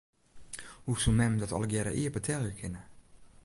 Hoe soe mem dat allegearre ea betelje kinne?